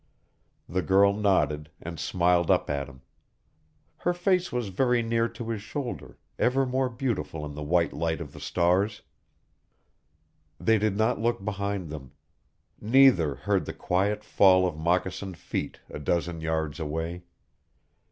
The girl nodded, and smiled up at him. Her face was very near to his shoulder, ever more beautiful in the white light of the stars. They did not look behind them. Neither heard the quiet fall of moccasined feet a dozen yards away.